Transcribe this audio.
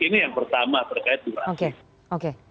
ini yang pertama terkait durasi